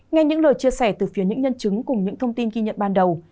nghe những lời chia sẻ từ phía những nhân chứng cùng những thông tin ghi nhận ban đầu